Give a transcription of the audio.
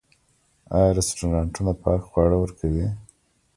آیا رستورانتونه پاک خواړه ورکوي؟